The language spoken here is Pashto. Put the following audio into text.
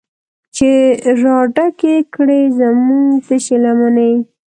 چې راډکې کړي زمونږ تشې لمنې